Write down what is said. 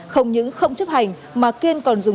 không những không chấp hành mà kiên còn dùng